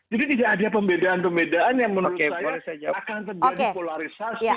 jadi tidak ada pembedaan pembedaan yang menurut saya akan terjadi polarisasi